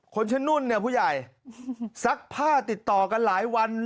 คนชื่อนุ่นเนี่ยผู้ใหญ่ซักผ้าติดต่อกันหลายวัน